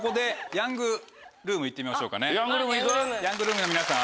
ヤングルームの皆さん。